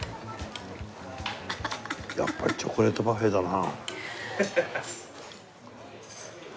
やっぱりチョコレートパフェだな。